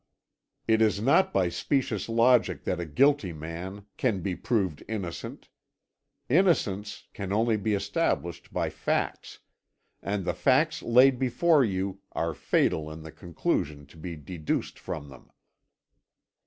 It is not by specious logic that a guilty man can be proved innocent. Innocence can only be established by facts, and the facts laid before you are fatal in the conclusion to be deduced from them.